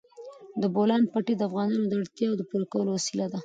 د بولان پټي د افغانانو د اړتیاوو د پوره کولو وسیله ده.